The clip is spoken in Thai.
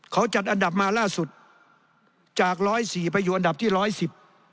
เขาจัดอันดับมาล่าสุดจาก๑๐๔ไปอยู่อันดับที่๑๑๐